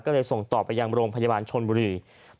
ก็เลยส่งต่อไปยังโรงพยาบาลชนบุรี